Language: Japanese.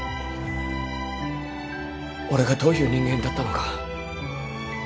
俺がどういう人間だったのか。